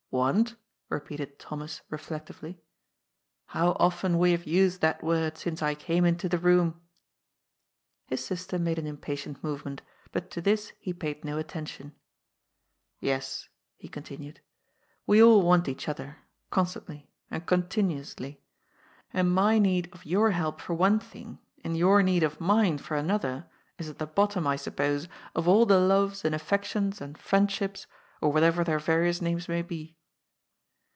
" Want !" repeated Thomas reflectively. " How often we have used that word since I came into the room." His sister made an impatient movement, but to this he paid no attention. " Yes," he continued ;" we all want each other, constantly, and continuously. And my need of your help for one thing, and your need of mine for another, is at the bottom, I suppose, of all the loves and affections and friend ships, or whatever their various names may be."